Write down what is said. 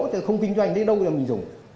chứ không kinh doanh đấy đâu mà mình dùng